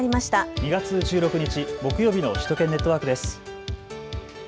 ２月１６日木曜日の首都圏ネットワークです。